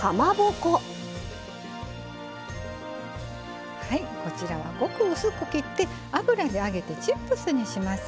こちらはごく薄く切って油で揚げてチップスにします。